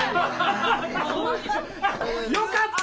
よかった！